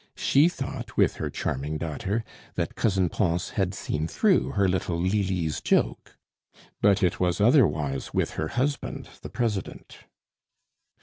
She thought, with her charming daughter, that Cousin Pons had seen through her little "Lili's" joke. But it was otherwise with her husband the President.